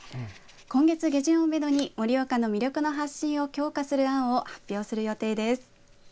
今月下旬をめどに盛岡の魅力の発信を強化する案を発表する予定です。